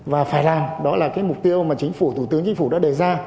và phải làm đó là cái mục tiêu mà chính phủ thủ tướng chính phủ đã đề ra